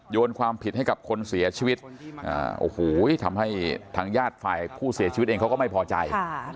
โยนความผิดให้กับคนเสียชีวิตโอ้โหทำให้ทางญาติฝ่ายผู้เสียชีวิตเองเขาก็ไม่พอใจ